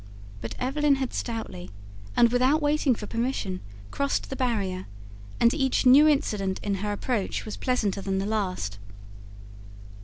But Evelyn had stoutly, and without waiting for permission, crossed the barrier; and each new incident in her approach was pleasanter than the last.